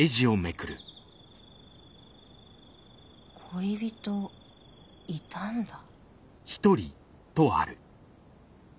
恋人いたんだ。